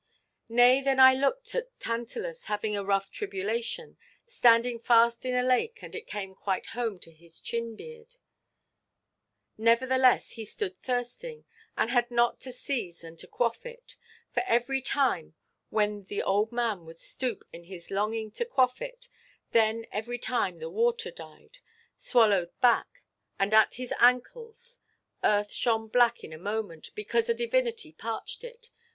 "Nay, then I looked at Tantalus having a rough tribulation, Standing fast in a lake, and it came quite home to his chin–beard; Nevertheless he stood thirsting, and had not to seize and to quaff it; For every time when the old man would stoop in his longing to quaff it, Then every time the water died, swallowed back, and at his ancles Earth shone black in a moment, because a divinity parched it.